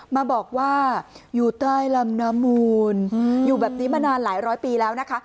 มาบอกว่าอยู่ใต้ลำน้ำมูลอยู่แบบนี้มานานหลายร้อยปีแล้วนะคะ